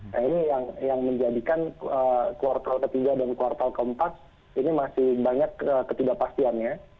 nah ini yang menjadikan kuartal ke tiga dan kuartal ke empat ini masih banyak ketidakpastian ya